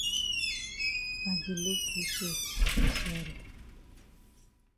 I di look you so di sorry.